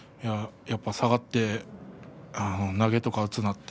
やっぱり下がって投げとか打つなと。